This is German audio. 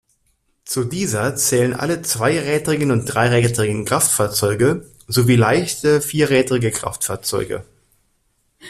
Zu dieser zählen alle zweirädrigen und dreirädrigen Kraftfahrzeuge sowie leichte vierrädrige Kraftfahrzeuge.